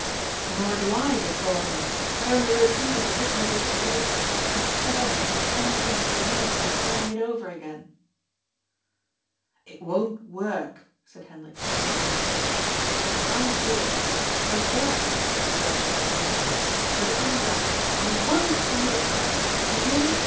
THE SHADOW OF THE SWORD. 413 " Hor do I defraud him. I only repeat his original dec laration, and spare him the unmeaning formality of sign ing it over again." " It won't worTc^'* said Hendrik, shaking his head. " I can't do it. I daren't, if you like that better. But it isn't that. I worCt commit a crime. Do you hear me